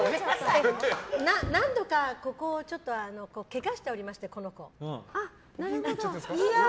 何度かここをけがしておりまして、この子。